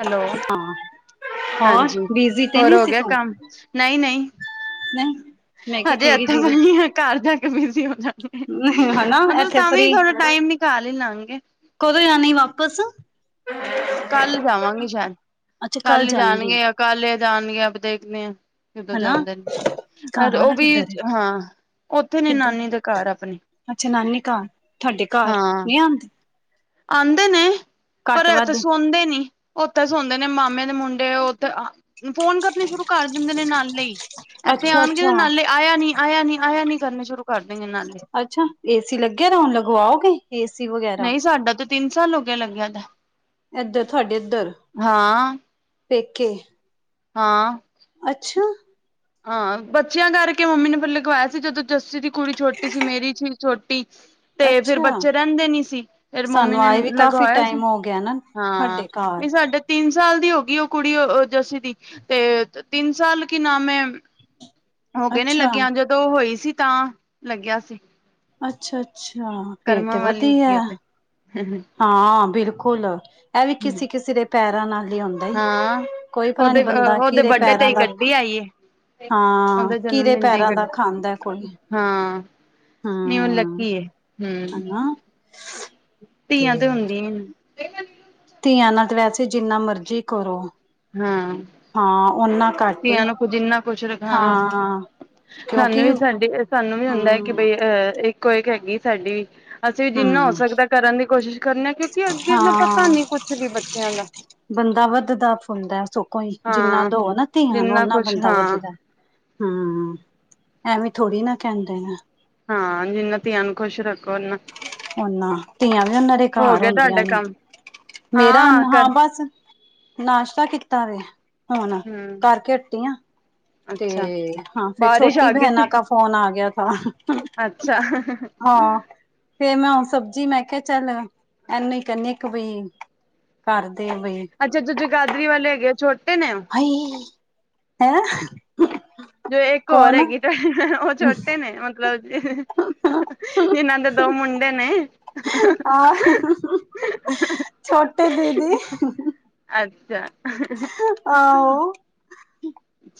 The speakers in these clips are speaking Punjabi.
ਹੈਲੋ, ਹਾਂ ਹੋਰ ਹਾਂਜੀ। ਬਿਜੀ ਤੇ ਹੋਰ ਨੀ ਹੋ ਸੀ ਗਿਆ ਤੂੰ ਕੰਮ ਨਹੀਂ- ਨਹੀਂ। ਨਹੀਂ ਮੈਂ ਕਿਹਾ ਹਜੇ ਕਹੇਗੀ ਇੱਥੇ ਬਈ ਹ ਘਰ ਜਾ ਕੇ ਬਿਜ਼ੀ ਹੋ ਜਾਣੀ। ਦੀਦੀ ਹਨਾ ਮਤਲਬ ਇੱਥੇ ਤਾਂ ਵੀ ਫਰੀ ਥੋੜ੍ਹਾ ਟਾਈਮ ਨਿਕਾਲ ਹੀ ਲਵਾਂਗੇ। ਕਦੋਂ ਜਾਣੀ ਵਾਪਿਸ। ਕੱਲ੍ਹ ਜਾਵਾਂਗੇ ਸ਼ਾਇਦ, ਅੱਛਾ ਕੱਲ ਕੱਲ੍ਹ ਜਾਏਗੀ ਜਾਣਗੇ, ਕੱਲ ਜਾਣਗੇ ਆਪ ਦੇਖਦੇ ਹਾ। ਜਦੋਂ ਹਨਾ ਜਾਂਦਾ ਘਰ ਨੇ ਉਹ ਵਾਲਾ ਵੀ ਕਿੱਧਰ ਹੈ ਹਾਂ, ਉੱਥੇ ਨੇ ਕਿੱਧਰ ਨਾਨੀ ਦੇ ਘਰ ਆਪਣੇ। ਅੱਛਾ। ਨਾਨੀ ਘਰ, ਤੁਹਾਡੇ ਘਰ ਨਹੀ ਆਉਂਦੇ। ਆਉਂਦੇ ਨੇ, ਘੱਟ ਪਰ ਤਾਂ ਵੱਧ ਸੌਦੇ ਨੀ। ਉੱਥੇ ਸੋਂਦੇ ਨੇ ਮਾਮੇ ਦੇ ਮੁੰਡੇ ਉਥੇ, ਫੋਨ ਕਰਨੇ ਸ਼ੁਰੂ ਕਰ ਦਿੰਦੇ ਨੇ ਨਾਲ ਹੀ। ਇੱਥੇ ਅੱਛਾ ਆਉਣਗੇ ਅੱਛਾ ਨਾਲੇ, ਆਇਆ ਨੀ, ਆਇਆ ਨੀ, ਆਇਆ ਨੀ ਕਰਨੇ ਸ਼ੁਰੂ ਕਰ ਦੇਗੇ ਨਾਲੇ। ਅੱਛਾ! ਏ ਸੀ ਲੱਗਿਆ ਤਾਂ ਹੁਣ ਲਗਵਾਓਗੇ। ਏ ਸੀ ਵਗੈਰਾ ਨਹੀ ਸਾਡਾ ਤਾਂ ਤਿੰਨ ਸਾਲ ਹੋ ਗਿਆ ਲੱਗਿਆ ਦਾ। ਏਧਰ, ਤੁਹਾਡੇ ਇੱਧਰ, ਹਾਂ ਪੇਕੇ। ਹਾਂ। ਅੱਛਾ। ਹਾਂ। ਬੱਚਿਆਂ ਕਰਕੇ ਮੰਮੀ ਨੇ ਪੱਲੇ ਗਵਾਇਆ ਸੀ। ਜਦੋਂ ਜੱਸੀ ਦੀ ਕੁੜੀ ਛੋਟੀ ਸੀ। ਮੇਰੀ ਸੀ ਛੋਟੀ ਤੇ ਫੇਰ ਅੱਛਾ ਬੱਚੇ ਰਹਿੰਦੇ ਨੀ ਸੀ। ਫਿਰ ਮੰਮੀ ਸਾਨੂੰ ਨੇ ਆਏ ਵੀ ਕਾਫੀ ਲਗਵਾਇਆ ਸੀ। ਟਾਈਮ ਹੋ ਗਿਆ ਨਾ ਹਾਂ ਤੁਹਾਡੇ ਘਰ ਨਹੀਂ ਸਾਡੇ ਤਿੰਨ ਸਾਲ ਦੀ ਹੋ ਗਈ ਉਹ ਕੁੜੀ ਜਸੀ ਦੀ। ਤੇ ਤਿੰਨ ਸਾਲ ਕੀ ਨਾਮ ਹੈ? ਹੋ ਗਏ ਨੇ ਅੱਛਾ ਲੱਗਿਆ। ਜਦੋਂ ਹੋਈ ਸੀ ਤਾਂ ਲੱਗਿਆ ਸੀ। ਅੱਛਾ- ਅੱਛਾ! ਫੇਰ ਤੇ ਕਰਮਾਂ ਵਾਲੀ ਵਧੀਆ ਹੈਗੀ ਉਹ ਆ। ਤੇ ਹਾਂ। ਬਿਲਕੁਲ, ਇਹ ਵੀ ਕਿਸੇ-ਕਿਸੇ ਦੇ ਪੈਰਾਂ ਨਾਲ ਹੀ ਆਉਂਦਾ। ਹਾਂ। ਉਹਦੇ ਦੇ ਬਡੇ ਪੈਰਾਂ ਤੇ ਦਾ ਗੱਡੀ ਆਈ। ਹਾਂ ਉਹਦਾ ਜਨਮ ਕਿਹਦੇ ਦਿਨ ਤੇ ਪੈਰਾਂ ਦਾ ਖਾਂਦਾ ਕੋਈ ਗੱਡੀ ਹਾਂ। ਨਈ ੳ ਹੂੰ ਲੱਕੀ ਏ। ਹੂ ਹਨਾ ਧੀਆਂ ਤੇ ਹੁੰਦੀਆਂ ਹੀ ਨੇ। ਧੀਆਂ ਨਾਲ ਵੈਸੇ ਜਿੰਨਾ ਮਰਜ਼ੀ ਕਰੋ। ਹਾਂ ਹਾਂ। ਓਨਾ ਘੱਟ ਏ ਧੀਆਂ ਨੂੰ ਕੁਝ ਇੰਨਾ ਕੁਛ ਰੱਖਾਂ ਹਾਂ। ਸਾਨੂੰ ਕਿਉਂਕਿ ਵੀ ਸਾਡੇ ਸਾਨੂੰ ਵੀ ਹੁੰਦਾ ਹੈ ਕਿ ਬਈ ਹੂੰ-ਹੂੰ ਅਹ ਕੋਈ ਹੈਗੀ ਸਾਡੀ। ਅਸੀਂ ਵੀ ਜਿੰਨਾ ਹੋ ਸਕਦਾ ਕਰਨ ਦੀ ਕੋਸ਼ਿਸ਼ ਕਰਨਾ ਕਿਉਂਕਿ ਅੱਗੇ ਦਾ ਪਤਾ ਹਾਂ ਨੀ ਕੁਛ ਵੀ ਬੱਚਿਆਂ ਦਾ। ਬੰਦਾ ਵੱਧਦਾ- ਫੁੱਲਦਾ ਸੋ ਹੀ ਜਿੰਨਾ ਹਾਂ ਦੋ ਨਾ ਧੀਆਂ ਨੂੰ ਜਿੰਨਾ ਓਨਾ ਕੁਛ ਬੰਦਾ ਹਾਂ ਵੱਧਦਾ। ਹੂ, ਐਵੇਂ ਥੋੜ੍ਹੀ ਨਾ ਕਹਿੰਦੇ ਨੇ। ਹਾਂ। ਜਿੰਨਾ ਧੀਆਂ ਨੂੰ ਖੁਸ਼ ਰੱਖੋ ਨਾ ਉਹਨਾਂ ਧੀਆਂ ਵੀ ਉਹਨਾਂ ਦੇ ਘਰ ਹੁੰਦੀਆਂ ਤੁਹਾਡਾ ਨੇ ਕੰਮ ਮੇਰਾ ਨ ਹਾਂ ਬੱਸ ਨਾਸ਼ਤਾ ਕੀਤਾ ਵੇ ਹੁਣ ਹਮ ਕਰਕੇ ਹੱਟੀ ਆ ਤੇ ਅੱਛਾ ਹਾਂ ਫਿਰ ਬਾਰਿਸ਼ ਛੋਟੀ ਆ ਗਈ ਬਹਿਨਾਂ ਸੀ ਕਾ ਫ਼ੋਨ ਆ ਗਿਆ ਥਾ ਅੱਛਾ ਫੇ ਮੈਂ ਹਣ ਸਬਜ਼ੀ ਮੈਂ ਕਿਹਾ ਚੱਲ ਇਹਨੂੰ ਹੀ ਕਹਿਨੀ ਇੱਕ ਬੀ ਕਰਦੇ ਬਈ ਅੱਛਾ ਜੋ ਜੇਗਾਦਰੀ ਵਾਲੇ ਹੈਗੇ ਉਹ ਛੋਟੇ ਨੇ ਉਹ [unintelligible] ਹੈਂ ਜੋ ਇੱਕ ਹੋਰ ਕੌਣ ਹੈਗੀ ਤੁ ਉਹ ਛੋਟੇ ਨੇ ਮਤਲਬ ਇਹਨਾਂ ਦੇ ਦੋ ਮੁੰਡੇ ਨੇ ਆ [unintelligible] ਛੋਟੇ ਦੀਦੀ ਅੱਛਾ ਆਹੋ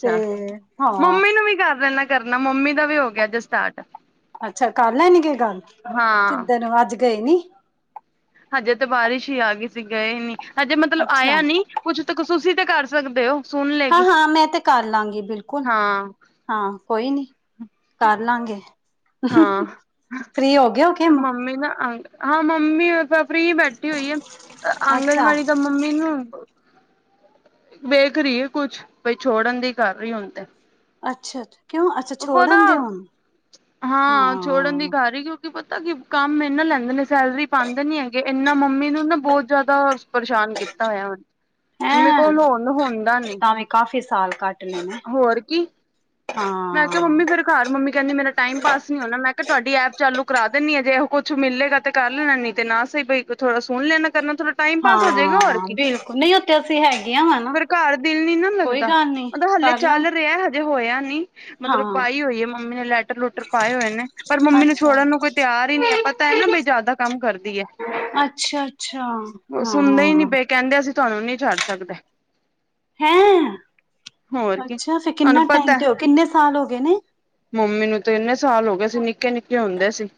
ਤੇ ਹਾਂ ਮੰਮੀ ਨੂੰ ਵੀ ਕਰ ਦੇਨਾ ਕਰਨਾ ਮੰਮੀ ਦਾ ਵੀ ਹੋ ਗਿਆ ਜੇ ਸਟਾਰਟ ਅੱਛਾ ਕਰ ਲੈਣੀ ਗੇ ਗੱਲ ਹਾਂ ਕਿਦ ਨੂੰ [unintelligible] ਅੱਜ ਗਏ ਨੀ ਹਜੇ ਤੇ ਬਾਰਿਸ਼ ਹੀ ਆ ਗੀ ਸੀ ਗਏ ਹੀ ਨਹੀਂ ਹਜੇ ਮਤਲ ਅੱਛਾ ਆਇਆ ਨੀ ਕੁਝ ਕਸੂਸੀ ਤੇ ਕਰ ਸਕਦੇ ਓ ਹਾਂ ਹਾਂ ਮੈਂ ਤੇ ਕਰ ਲਾਂਗੀ ਬਿਲਕੁਲ ਹਾਂ ਹਾਂ ਕੋਈ ਨੀ ਕਰ ਲਾਂਗੇ ਹਾਂ ਫ੍ਰੀ ਹੋਗੇ ਹੋ ਕੇ ਮੰਮੀ ਨਾ ਹਾਂ [unintelligible] ਮੰਮੀ ਤਾਂ ਫਰੀ ਬੈਠੀ ਹੋਈ ਆ ਆਂਗਣਵਾੜੀ ਅੱਛਾ-ਅੱਛਾ ਤਾਂ [unintelligible] ਮੰਮੀ ਨੂੰ ਵੇਖ ਰੀ ਹੈ ਕੁਛ ਬਸ ਛੋੜਨ ਦੀ ਕਰ ਰਹੀ ਹੁਣ ਤੇ ਅੱਛਾ ਕਿਉਂ ਉਹੋ ਨਾ ਛੋੜਨ ਦੇ ਹੁਣ ਹਾਂ ਛੋੜਨ ਦੀ ਕਰ ਰੀ ਕਿਉਂ ਪਤਾ ਨੀ ਕੰਮ ਇਹਨਾ ਲੈਂਦੇ ਨੇ ਸੈਲਰੀ ਪਾਂਦੇ ਨੀ ਹੈਗੇ ਇਨਾ ਮੰਮੀ ਨੂੰ ਨਾ ਬਹੁਤ ਜ਼ਿਆਦਾ ਪਰਸ਼ਾਨ ਕੀਤਾ ਹੋਇਆ ਮੇਰੇ ਹੈਂ ਕੋਲ ਹੁਣ ਹੁੰਦਾ ਨੀ ਤਾਂ ਵੀ ਕਾਫ਼ੀ ਸਾਲ ਕੱਟ ਲਏ ਨੇ ਹੋਰ ਕੀ ਮੈਂ ਤੇ ਹਾਂ ਮੰਮੀ ਫਿਰ ਘਰ ਮੰਮੀ ਕਹਿੰਦੀ ਮੇਰਾ ਟਾਈਮ ਪਾਸ ਨੀ ਹੋਣਾ ਮੈਂ ਕਿਹਾ ਤੁਹਾਡੀ ਐਪ ਚਾਲੂ ਕਰਾ ਦਿੰਨੀ ਆਂ ਜੇ ਉਹ ਕੁੱਛ ਮਿਲੇਗਾ ਤੇ ਕਰ ਲੈਣਾ ਨੀ ਤੇ ਨਾ ਸਹੀ ਬਈ ਥੋੜ੍ਹਾ ਸੁਣ ਲੈਣਾ ਕਰਨਾ ਥੋੜਾ ਟਾਈਮ ਪਾਸ ਹੋ ਜੇਗਾ ਹੋਰ ਹਾਂ ਕੀ ਬਿਲਕੁਲ ਨਹੀਂ ਉੱਥੇ ਅਸੀਂ ਹੈਗੀਆਂ ਵਾ ਨਾ ਫੇਰ ਘਰ ਦਿਲ ਨੀ ਨਾ ਕੋਈ ਲੱਗਦਾ ਗੱਲ ਨੀ ਦਾ ਹਾਲੇ ਕਰ ਲਾਂ ਚੱਲ ਰਿਹਾ ਐ ਜੇ ਹੋਇਆ ਨੀ ਮਤਲਬ ਹਾਂ ਪਾਈ ਹੋਈ ਹੈ ਮੰਮੀ ਨੇ ਲੈਟਰ- ਲੂਟਰ ਪਾਏ ਹੋਏ ਨੇ ਪਰ ਮੰਮੀ ਨੂੰ ਛੋੜਣ ਨੂੰ ਕੋਈ ਤਿਆਰ ਹੀ ਨਹੀਂ ਪਤਾ ਹੈ ਨਾ ਬਈ ਜ਼ਿਆਦਾ ਕੰਮ ਕਰਦੀ ਐ ਅੱਛਾ-ਅੱਛਾ-ਅੱਛਾ ਉਹ ਸੁਨਦੇ ਹੀ ਨਹੀਂ ਹਾਂ ਪਏ ਕਹਿੰਦੇ ਅਸੀਂ ਤੁਹਾਨੂੰ ਨਹੀਂ ਛੱਡ ਸਕਦੇ ਹੈਂ ਹੋਰ ਕੀ ਅੱਛਾ ਫਿ ਕਿੰਨਾ ਤੁਹਾਨੂੰ ਟਾਈਮ ਪਤਾ ਤੇ ਹੋ ਕਿੰਨੇ ਸਾਲ ਹੋ ਗਏ ਨੇ ਮੰਮੀ ਨੂੰ ਤੇ ਇੰਨੇ ਸਾਲ ਹੋ ਗਏ ਅੱਸੀ ਨਿੱਕੇ -ਨਿੱਕੇ ਹੁੰਦੇ ਸੀ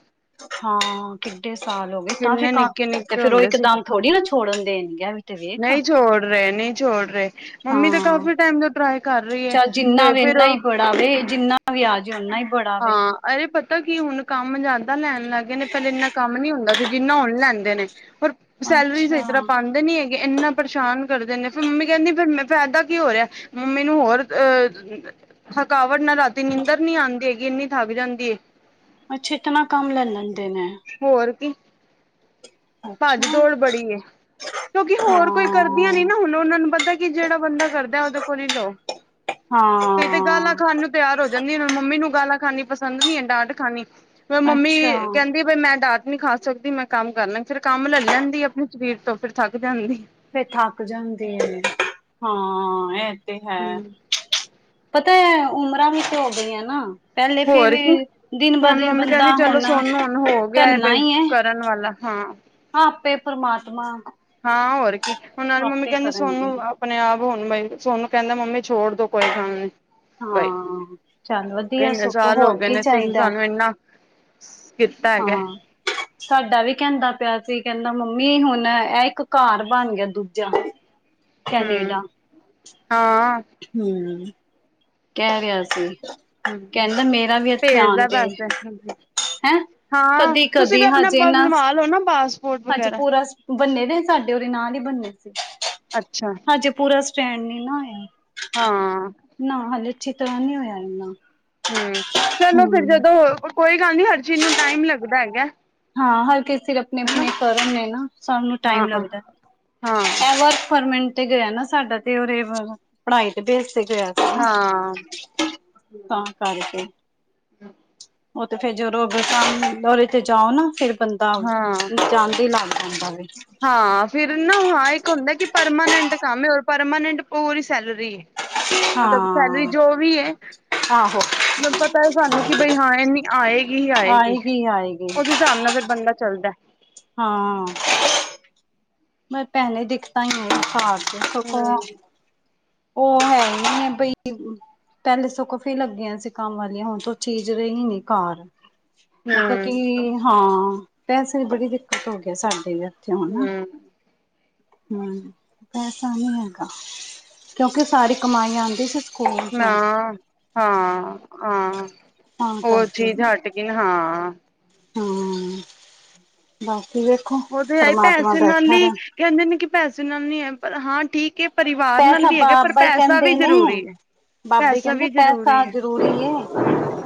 ਹਾਂ ਕਿੱਡੇ ਸਾਲ ਹੋ ਗਏ ਤਾਂ ਹੀ ਕਿੰਨੇ ਤਾਂ ਨਿੱਕੇ ਨਿੱਕੇ ਫੇਰ ਉਹ ਹੁੰਦੇ ਸੀ ਇਕਦਮ ਥੋੜ੍ਹੀ ਨਾ ਛੋੜਨ ਦੇਣਗੇ ਵੀ [unintelligible] ਨਹੀਂ ਛੋੜ ਰਹੇ ਨੇ ਛੋੜ ਰਹੇ ਮੰਮੀ ਤੇ ਹਾਂ ਕਾਫੀ ਟਾਈਮ ਤੋਂ ਟਰਾਈ ਕਰ ਰਹੀ ਐ, ਤੇ ਫੇਰ ਤਾਂ ਵੇ ਜਿੰਨਾ ਵੀ ਆ ਜੇ ਓਹਨਾ ਈ ਹਾਂ ਅਰੇ ਪਤਾ ਕਿ ਹੁਣ ਕੰਮ ਜ਼ਿਆਦਾ ਲੈਣ ਲੱਗ ਗਏ ਨੇ ਪਹਿਲੇ ਇੰਨਾ ਕੰਮ ਨੀ ਹੁੰਦਾ ਸੀ ਜਿੰਨਾ ਹੁਣ ਲੈਂਦੇ ਨੇ ਪਰ ਸੈਲਰੀ ਸਹੀ ਅੱਛਾ ਤਰ੍ਹਾਂ ਪਾਉਂਦੇ ਨੀ ਹੈਗੇ। ਇੰਨਾ ਪਰੇਸ਼ਾਨ ਕਰਦੇ ਨੇ ਫੇਰ ਮੰਮੀ ਕਹਿੰਦੀ ਫੇਰ ਫਾਇਦਾ ਕਿ ਹੋਇਆ ਮੰਮੀ ਨੂੰ ਹੋਰ, ਥਕਾਵਟ ਨਾਲ ਰਾਤੀ ਨੀਂਦਰ ਨੀ ਆਉਂਦੀ ਹੈਗੀ। ਇੰਨੀ ਥੱਕ ਜਾਂਦੀ ਏ। ਅੱਛੀ ਤਰ੍ਹਾਂ ਕੰਮ ਲੈ ਲੈਂਦੇ ਨੇ। ਹੋਰ ਕਿ? ਭੱਜ ਅੱਛਾ ਦੌੜ ਬੜੀ ਐ। ਕਿਉਂਕਿ ਹੋਰ ਕੋਈ ਕਰਦੀਆਂ ਨੀ ਹਾਂ ਹੁਣ। ਉਹਨਾਂ ਨੂੰ ਪਤਾ ਕਿ ਜਿਹੜਾ ਬੰਦਾ ਕਰਦਾ ਉਹਦੇ ਕੋਲ ਹੀ ਲਓ। ਕਈ ਤੇ ਗਾਲਾਂ ਖਾਨ ਹਾਂ ਨੂੰ, ਤਿਆਰ ਹੋ ਜਾਂਦੀ। ਮੰਮੀ ਨੂੰ ਗਾਲਾਂ ਖਾਣੀ ਪਸੰਦ ਨਹੀਂ ਹੈ। ਡਾਂਟ ਖਾਣੀ, ਫੇਰ ਮੰਮੀ ਅੱਛਾ ਕਹਿੰਦੀ ਬਈ ਮੈਂ ਡਾਂਟ ਨਹੀਂ ਖਾ ਸਕਦੀ ਮੈਂ ਕੰਮ ਕਰ ਲਾਂਗੀ। ਫਿਰ, ਕੰਮ ਲੈ ਲੈਂਦੀ ਆਪਣੇ ਸਰੀਰ ਤੋਂ ਫੇਰ ਥੱਕ ਜਾਂਦੀ। ਫੇਰ ਥੱਕ ਜਾਂਦੀ ਹੈ। ਹਾਂ, ਇਹ ਤੇ ਹੈ। ਹੂੰ ਪਤਾ ਹੈ, ਉਮਰਾਂ ਵੀ ਤੇ ਹੋ ਗਈਆਂ ਨਾ। ਪਹਿਲੇ ਫੇਰ ਹੋਰ ਕੀ। ਵੀ ਦਿਨ ਬ ਹੁਣ ਦਿਨ ਮੰਮੀ ਕਹਿੰਦੀ ਬੰਦਾ ਚਲੋ ਹੁਣ ਸੋਨੂੰ ਹੁਣ ਹੋ ਗਿਆ ਹੈ ਢਲਣਾ ਬਈ ਹੀ ਕਰਨ ਵਾਲਾ। ਹਮ ਆਪੇ ਪਰਮਾਤਮਾ, ਹਾਂ ਹੋਰ ਕੀ। ਹੁਣ ਨਾਲੇ ਮੰਮੀ ਆਪੇ ਕਹਿੰਦੀ ਕਰਨਗੇ ਸੋਨੂੰ ਆਪ, ਆਪਣੇ ਆਪ ਹੁਣ ਬਈ। ਸੋਨੂੰ ਕਹਿੰਦਾ ਮੰਮੀ ਛੋੜ ਦੋ ਕੋਈ ਗੱਲ ਨੀ। ਬਾਈ, ਹਾਂ ਚੱਲ ਵਧੀਆ ਇੰਨੇ ਸਗੋਂ ਸਾਲ ਹੋ ਹੋਰ ਗਏ ਕੀ ਨੇ ਤੁਸੀਂ ਚਾਹੀਦਾ ਸਾਨੂੰ ਇੰਨਾ, ਕੀਤਾ ਹੈਗਾ ਹਾਂ! ਸਾਡਾ ਵੀ ਕਹਿੰਦਾ ਪਿਆ ਸੀ। ਕਹਿੰਦਾ ਮੰਮੀ ਹੁਣ ਇਹ ਇੱਕ ਘਰ ਬਣ ਗਿਆ ਦੂਜਾ। ਹੂੰ ਕੈਨੇਡਾ, ਹਾਂ ਹਮ। ਕਹਿ ਰਿਹਾ ਸੀ। ਹੂੰ ਕਹਿੰਦਾ ਮੇਰਾ ਵੀ ਇੱਥੇ ਆਣ ਭੇਜਦਾ ਤੇ, ਪੈਸੇ ਹੈਂ। ਹਾਂ ਤੁਸੀਂ ਵੀ ਕਦੀ-ਕਦੀ ਆਪਣਾ ਹਜੇਨਾ ਬਣਵਾ ਲਓ ਨਾ ਪਾਸਪੋਰਟ ਅੱਜ ਵਗੈਰਾ ਪੂਰਾ ਸ ਬੰਨੇ ਦੇ ਸਾਡੇ ਉਹਦੇ ਨਾਲ ਹੀ ਬੰਨੇ ਅੱਛਾ ਹਜੇ ਪੂਰਾ ਸ ਸਟੈਂਡ ਨੀ ਨਾ ਹੋਇਆ। ਹਾਂ। ਨਾ ਹਲੇ ਅੱਛੀ ਤਰ੍ਹਾਂ ਨਹੀਂ ਹੋਇਆ ਇਹਨਾ। ਹਮ, ਚਲੋ ਫਿਰ ਜਦੋਂ ਕੋਈ ਗੱਲ ਨੀ ਹਰ ਚੀਜ਼ ਨੂੰ ਟਾਈਮ ਲੱਗਦਾ ਹੈਗਾ। ਹਾਂ ਹਰ ਕਿਸ ਸਿਰ ਆਪਣੇ ਹਨਾ -ਆਪਣੇ ਕਰਮ ਨੇ ਨਾ ਸਭ ਨੂੰ ਹਾਂ ਟਾਈਮ ਲੱਗਦਾ। ਹਾਂ ਇਹ ਵਰਕ ਫਰਮਟ ਤੇ ਗਿਆ ਨਾ ਸਾਡਾ ਤੇ ਉਰੇ ਪੜ੍ਹਾਈ ਤੇ ਬੇਸ ਤੇ ਗਿਆ। ਸੀ ਨਾ ਹਾਂ। ਤਾਂ ਕਰਕੇ, ਉਹ ਤੇ ਫੇਰ ਜਦੋਂ ਦਰੇ ਤੇ ਉਹ ਤੇ ਜਾਓ ਨਾ ਫਿਰ ਬੰਦਾ ਹਾਂ ਨ ਜਾਂਦੇ ਹੀ ਲੱਗ ਜਾਂਦਾ ਵੇ। ਹਾਂ। ਫਿਰ ਨਾ ਹਾਂ। ਇੱਕ ਹੁੰਦਾ ਕਿ ਪਰਮਾਨੈਂਟ ਕੰਮ ਹੈ ਪਰਮਾਨੈਂਟ ਪੂਰੀ ਸੈਲਰੀ ਹੈ। ਮਤਲਬ ਸੈਲਰੀ ਹਾਂ ਜੋ ਵੀ ਹੈ। ਆਹੋ ਮਤਲਬ ਪਤਾ ਹੈ ਸਾਨੂੰ ਕਿ ਬਈ ਹਾਂ ਇਨੀ ਆਏਗੀ ਹੀ ਆਏਗੀ। ਉਹਦੇ- ਸ਼ਾਨ ਨਾਲ ਫਿਰ ਬੰਦਾ ਚੱਲਦਾ। ਹਾਂ। ਮੈਂ ਪਹਿਲੇ ਹੀ ਦਿਖਤਾ [unintelligible] ਹੀ ਹਮ ਉਹ ਹੈ ਹੀ ਨਹੀਂ ਹੈ ਬਈ। ਪਹਿਲੇ ਸੋਗੋ ਫੇਰ ਲੱਗੀਆਂ ਸੀ ਕੰਮ ਵਾਲੀਆਂ। ਹੁਣ ਤੋ ਚੀਜ਼ ਰਹੀ ਨੀ ਘਰ। ਮਤਲਬ ਕਿ, ਹਮ ਹਾਂ। ਪੈਸੇ ਦੀ ਬੜੀ ਦਿੱਕਤ ਹੋ ਗਈ ਸਾਡੇ। ਹਮ। ਹਮ, ਪੈਸਾ ਨੀ ਹੈਗਾ ਕਿਉਂਕਿ ਸਾਰੀ ਕਮਾਈ ਆਉਂਦੀ ਸੀ। ਸਕੂਲ ਨਾ, ਚੋਂ ਹਾਂ-ਹਾਂ, ਤਾਂ ਉਹ ਚੀਜ਼ ਹੱਟ ਕੇ, ਹਾਂ। ਹਾਂ, ਬਾਕੀ ਦੇ ਉਹਦੇ ਐਈ ਪੈਸੇ ਨਾਲ ਈ, ਕਹਿੰਦੇ ਨੇ ਕਿ ਪੈਸੇ ਨਾਲ ਨੀ ਹੈ ਪਰ ਹਾਂ, ਠੀਕ ਏ ਪਰਿਵਾਰ ਨਾਲ ਪੈਸਾ ਵੀ ਹੈਗਾ, ਪਰ ਬਾਬਾ ਹੀ ਪੈਸਾ ਵੀ ਕਹਿੰਦੇ ਨੇ ਜ਼ਰੂਰੀ। ਬਾਬੇ ਪੈਸਾ ਕਹਿੰਦੇ ਵੀ ਪੈਸਾ ਜ਼ਰੂਰੀ ਹੈ ਜਰੂਰੀ ਏ,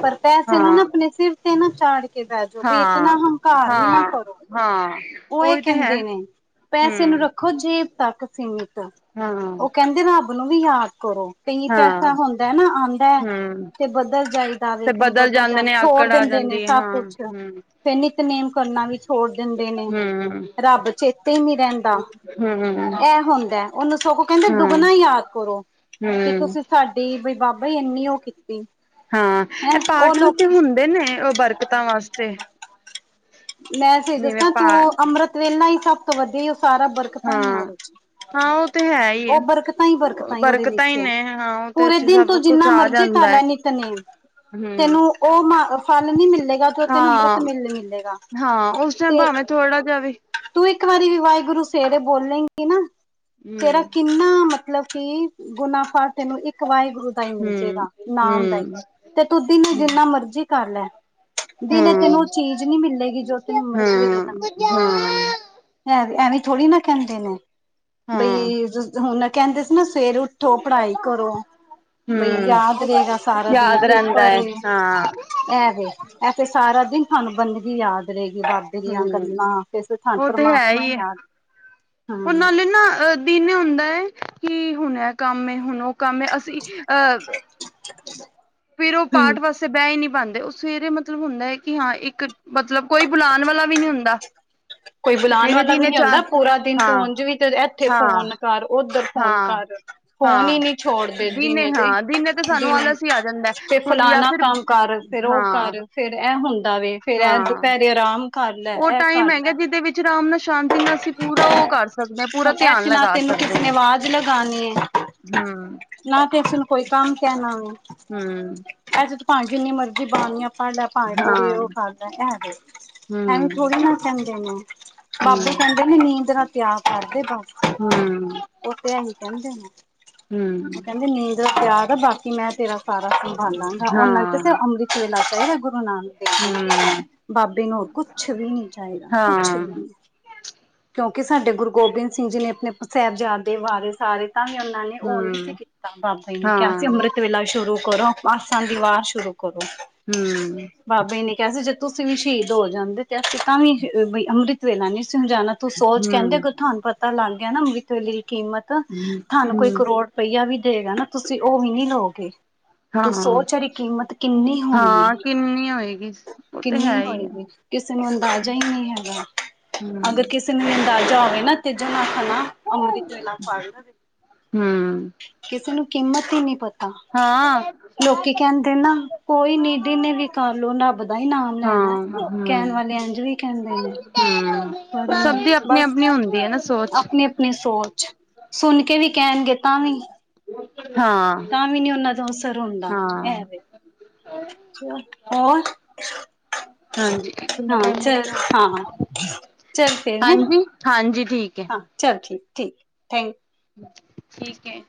ਪਰ ਪੈਸੇ ਨੂੰ ਨਾ ਹਾਂ ਆਪਣੇ ਸਿਰ ਤੇ ਨਾ ਚਾੜਕੇ ਬੈਜੋ, ਵੀ ਇਤਨਾ ਹਾਂ ਹੰਕਾਰ ਵੀ ਨਾ ਹਾਂ ਕਰੋ। ਹਾਂ। ਉਹ ਇਹ ਉਹੀ ਤੇ ਹੈ ਕਹਿੰਦੇ ਨੇ, ਪੈਸੇ ਨੂੰ ਹਮ ਰੱਖ ਰੱਖੋ ਜੇਬ ਤੱਕ ਸੀਮਿਤ, ਹਾਂ ਉਹ ਕਹਿੰਦੇ ਰੱਬ ਨੂੰ ਵੀ ਯਾਦ ਕਰੋ। ਕਈ ਹਾਂ ਪੈਸਾ ਹੁੰਦਾ ਨਾ ਆਂਦੈ, ਹਮ ਤੇ ਬਦਲ ਜਾਈਦਾ ਵੇ, ਤੇ ਕਈ ਬਦਲ ਜਾਂਦੇ ਜਾਂ ਨੇ ਛੋੜ ਆਕੜ ਆ ਦਿੰਦੇ ਨੇ। ਜਾਂਦੀ ਸਭ ਹਾਂ, ਕੁਛ ਹੂੰ ਫਿਰ ਨਿਤਨੇਮ ਕਰਨਾ ਵੀ ਛੋੜ ਦਿੰਦੇ ਨੇ, ਹਮ ਰੱਬ ਚੇਤੇ ਈ ਨਹੀਂ ਰਹਿੰਦਾ। ਹਮ ਐ ਹੁੰਦਾ, ਉਹਨੂੰ ਸਗੋਂ ਕਹਿੰਦੇ ਹਮ ਦੁੱਗਣਾ ਯਾਦ ਕਰੋ, ਕਿ ਹਮ ਤੁਸੀਂ ਸਾਡੇ ਬਈ ਬਾਬਾ, ਇੰਨੀ ਉਹ ਕੀਤੀ। ਹਾਂ, ਇਹ ਹੈਂ ਉਹ ਪਾਠ ਵੀ ਲੋਕ ਤੇ ਹੁੰਦੇ ਨੇ ਉਹ ਬਰਕਤਾਂ ਵਾਸਤੇ। ਮੈਂ ਸਹੀ ਜਿਵੇਂ ਦੱਸਾਂ ਪਾ ਤੂੰ, ਅੰਮ੍ਰਿਤ ਵੇਲਾ ਹੀ ਸਭ ਤੋਂ ਵਧੀਆ ਈ, ਉਹ ਸਾਰਾ ਬਰਕਤਾਂ ਈ ਆ, ਹਾਂ ਉਹਦੇ'ਚ ਹਾਂ ਉਹ ਤੇ ਹੈ ਹੀ ਏ, ਉਹ ਬਰਕਤਾਂ ਹੀ ਬਰਕਤਾਂ ਹੀ ਉਹਦੇ ਵਿੱਚ, ਨੇ ਹਾਂ ਉਹਦੇ ਪੂਰੇ ਚ ਦਿਨ ਤੂ ਸਭ ਕੁਛ ਜਿੰਨਾ ਆ ਮਰਜ਼ੀ ਕਰ ਜਾਂਦਾ ਹੈ ਲੈ ਨ ਨਿੱਤਨੇਮ, ਹਮ ਤੇਨੁੰ ਉਹ ਮ ਫਲ ਨੀ ਮਿਲੇਗਾ, ਜੋ ਤੈਨੂੰ ਹਾਂ ਅੰਮ੍ਰਿਤ ਵੇਲੇ ਲ ਮਿਲੇਗਾ। ਹਾਂ, ਉਸ ਟਾਇਮ ਤੇ ਭਾਵੇਂ ਥੋੜਾ ਜਾ ਵੀ ਤੂੰ ਇੱਕ ਵਾਰੀ ਵੀ ਵਾਹਿਗੁਰੂ ਸਵਰੇ ਬੋਲੇਂਗੀ ਨਾ, ਤੇਰਾ ਹਮ ਕਿੰਨਾ ਮ ਮਤਲਬ ਕਿ, ਗੁਨਾ ਫਾਟੇ ਨੂੰ ਇੱਕ ਵਾਹਿਗੁਰੂ ਹੀ ਮਿਲਜੇਗਾ, ਨਾਮ ਦਾ ਈ ਹਮ ਤੇ ਤੁ ਦੀਨੇ ਜਿੰਨਾ ਮਰਜ਼ੀ ਕਰਲੈ। ਦਿਨੇ ਤੈਨੂੰ ਉਹ ਚੀਜ਼ ਨਹੀਂ ਮਿਲੇਗੀ। ਜੋ ਤੈਨੂੰ ਅੰਮ੍ਰਿਤ ਹੂੰ, ਹੂੰ। ਐਂਵੀ, ਐਵੇਂ ਥੋੜੀ ਨਾ ਕਹਿੰਦੇ ਨੇ, ਹਾਂ ਬਈ ਹੁਣ ਨਾ ਕਹਿੰਦੇ ਸੀ ਨਾ ਸਵੇਰ ਉਠ ਉੱਠੋ, ਪੜ੍ਹਾਈ ਕਰੋ, ਬਈ ਹਮ ਯਾਦ ਰਹੇਗਾ ਸਾਰਾ ਦਿਨ ਯਾਦ ਰਹਿੰਦਾ ਪੇਪਰ ਹੈ ਏ। ਹਾਂ ਐਵੇ, ਐ ਫਿਰ ਸਾਰਾ ਦਿਨ ਸਾਨੂੰ ਬੰਦਗੀ ਯਾਦ ਰਹੇਗੀ, ਬਾਬ ਬਾਬੇ ਦੀਆਂ ਹਮ ਗੱਲਾਂ, ਫਿਰ ਤੁਾਨੂੰ ਉਹ ਤੇ ਹੈ ਪਰਮਾਤਮਾ ਹੀ ਹੈ ਯਾਦ ਹਾਂ ਉਹ ਨਾਲੇ ਨਾ, ਅ ਦਿਨ ਹੁੰਦਾ, ਕਿ ਹੁਣ ਐ ਕੰਮ ਏ, ਹੁਣ ਉਹ ਕੰਮ ਏ, ਅਸੀਂ ਅ [inaudible] ਫਿਰ ਉਹ ਹਮ ਪਾਠ ਵਾਸ ਬਹਿ ਈ ਨਹੀਂ ਪਾਂਦੇ, ਉਹ ਸਵੇਰੇ ਮਤਲਬ ਹੁੰਦਾ ਹੈ ਕਿ ਹਾਂ, ਇੱਕ ਮਤਲਬ ਕੋਈ ਬੁਲਾਣ ਵਾਲਾ ਵੀ ਨੀ ਹੁੰਦਾ [inaudible] ਕੋਈ ਬੁਲਾਨ ਤੇ ਵਾਲਾ ਵੀ ਦਿਨੇ ਨਹੀਂ ਚਾਰ ਹੁੰਦਾ, ਪੂਰਾ ਦਿਨ ਤੂੰ ਹਾਂ ਉੰਝ ਵੀ ਤੇ ਇੱਥੇ ਹਾਂ ਫੋਨ ਕਰ, ਓਧਰ ਫੋਨ ਹਾਂ ਕਰ। ਫੋਨ ਈ ਹਾਂ ਨਹੀਂ ਛੋੜਦੇ ਦਿਨੇ ਤੇ, ਹਾਂ ਦਿਨੇ ਤੇ ਸਾਨੂੰ ਦਿਨੇ ਆਲਸ ਹੀ ਆ ਜਾਂਦਾ ਤੇ ਹੁਣ ਜਾਂ ਫਲਾਨਾ ਫਿਰ ਕੰਮ ਕਰ, ਫਿਰ ਓ ਹਾਂ ਕਰ। ਫੇਰ ਐ ਹੁੰਦਾ ਵੇ, ਫੇਰ ਐ ਹਾਂ ਦੁਪਹਿਰੇ ਆਰਾਮ ਕਰਲੈ, ਐ ਕਰਲੈ। ਚ ਅਰਾਮ ਨਾਲ ਸ਼ਾਂਤੀ ਨਾਲ ਅਸੀ ਪੂਰਾ ਓ ਕਰ ਸਕਦੇ ਆਂ, ਪੂਰਾ ਹੁਣ ਇਹ ਧਿਆਨ ਚ ਨਾ ਲਗਾ ਤੈਨੂੰ ਸਕਦੇ ਕਿਸੇ ਆਂ, ਨੇ ਆਵਾਜ਼ ਲਗਾਉਣੀ ਹੈ ਹੂੰ। ਨਾ ਤੇ ਇਸੇ ਨੂੰ ਕੋਈ ਕੰਮ ਕਹਿਣਾ, ਹਮ ਐ'ਚ ਤਾ ਭਾਵੇਂ ਜਿੰਨੀ ਮਰਜ਼ੀ ਬਾਨੀਆ ਪਾਂਡਾ ਭਾਂਵੇ, ਪੂੜ ਹਾਂ ਉਹ ਖਾਦਾ ਏ, ਐਵੇਂ ਹਮ ਥੋੜ੍ਹੇ ਨਾ ਕਹਿੰਦੇ ਨੇ। ਬਾਬੇ ਕਹਿੰਦੇ ਨੇ, ਨੀਂਦ ਨਾਲ ਤਿਆਗ ਕਰਦੇ ਬਸ। ਹੂੰ-ਹੂੰ-ਹੂੰ, ਓਹ ਤੇ, ਐਹੀ ਕਹਿੰਦੇ ਨੇ‌। ਹੂੰ। ਤਿਆਰਦ ਬਾਕੀ ਮੈਂ ਤੇਰਾ ਸਾਰਾ ਸੰਭਾਲਾਂਗਾ ਓਨਾਂ ਹਾਂ, ਕੇਹਾ ਅੰਮ੍ਰਿਤ ਵੇਲਾ ਚਾਈਦਾ ਗੁਰੂ ਨਾਨਕ ਹੂੰ, ਬਾਬੇ ਨੂੰ ਹੋਰ ਕੁੱਛ ਵੀ ਨੀ ਚਾਈਦਾ ਹਾਂ, ਕੁਛ ਵੀ ਨੀ ਕਿਉਂਕੀ ਸਾਡੇ ਗੁਰੂ ਗੋਬਿੰਦ ਸਿੰਘ ਜੀ ਨੇ ਆਪਣੇ ਸਾਹਿਬਜ਼ਾਦੇ ਵਾਰੇ ਸਾਰੇ ਤਾਂ ਵੀ ਓਨਾਂ ਨੇ ਓ ਨੀ ਹੂੰ, ਸੀਖ ਤਾਂ ਬਾਬੇ ਜੀ ਨੇ ਕੇਆ ਹਾਂ, ਸੀ ਅੰਮ੍ਰਿਤ ਵੇਲਾ ਸ਼ੁਰੂ ਕਰੋ ਆਸਾ ਦੀ ਵਾਰ ਸ਼ੁਰੂ ਕਰੋ ਹੂੰ। ਬਾਬੇ ਨੇ ਕੇਆ ਸੀ ਜੇ ਤੁਸੀਂ ਵੀ ਸ਼ਹੀਦ ਹੋ ਜਾਂਦੇ ਤੇ ਅਸੀਂ ਤਾਵੀ ਬਈ ਅੰਮ੍ਰਿਤ ਵੇਲਾ ਨੀ ਸੀ ਜਾਨਾ ਤੂੰ ਸੋਚ ਹੂੰ, ਕੈਦੇ ਧਾਨੂੰ ਪਤਾ ਲੱਗ ਗੇਆ ਨਾ ਅੰਰੀਤ ਦੀ ਕੀਮਤ ਤੁਹਾਨੂੰ ਹੂੰ, ਕੋਈ ਕਰੋ ਪਈਆ ਵੀ ਦੇਗਾ ਨਾ ਤੁਸੀਂ ਓ ਵੀ ਨੀ ਲਓਗੇ ਤੂੰ ਹਾਂ, ਸੋਚ ਔਰੀ ਕੀਮਤ ਕੀਨੀ ਹਾਂ ਹੋਣੀ ਆ, ਕਿੰਨੀ ਹੋਏਗੀ ਉਹ ਤੇ ਹੈ ਕੀਨੀ ਹੀ ਆ ਹੋਏਗੀ ਕੀਸੇ ਨੂੰ ਅੰਦਾਜ਼ਾ ਈ ਨਈ ਹੈਗਾ। ਹੂੰ। ਅਗਰ ਕਿਸੇ ਨੂੰ ਵੀ ਅੰਦਾਜ਼ਾ ਹੋਵੇ ਨਾ ਤਜ ਨਾਲ ਖਾ ਨਾ ਅੰਮ੍ਰਿਤ ਵੇਲਾ ਫੜ ਹੂੰ, ਕੀਸੇ ਨੂੰ ਕੀਮਤ ਈ ਨੀ ਪ ਹਾਂ ਲੋਕੀ ਕੈਂਦੇ ਨਾ ਕੋਈ ਦੀਨੇ ਵੀ ਕਰ ਲੋ ਰੱਬ ਦਾ ਈ ਨਾ ਲੈਣਾ ਹਾਂ, ਹੂੰ, ਕੈਣ ਵਾਲੇ ਅੰਜ ਵੀ ਕੈਂਦੇ ਨੇ। ਹੂੰ ਪਰ ਸਭ ਦੀ ਅਪਣੀ-ਅਪਣੀ ਹੁੰਦੀ ਐ ਨਾ ਸੋਚ ਅਪਣੀ-ਅਪਣੀ ਸੋਚ, ਸੁਣ ਕੇ ਵੀ ਕੈਣਗੇ ਤਾਂ ਵੀ। ਹਾਂ। ਤਾਂ ਵੀ ਨੀ ਓਨਾਂ ਦਾ ਅਸਰ ਹੁੰਦਾ, ਹਾਂ, ਐ ਦੇ [inaudible] ਹੋਰ? ਹਾਂਜੀ, ਹਾਂ ਹਾਂਜੀ, ਚੱਲ ਹਾਂ, ਚੱਲ ਫੇਰ ਹੈਂ ਹਾਂਜੀ ਠੀਕ ਏ। ਹਾਂ ਚਲ ਠੀ-ਠੀ ਥੈਂ ਠੀਕ ਐ।